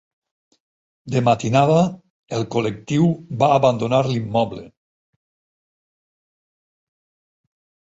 De matinada el col·lectiu va abandonar l'immoble.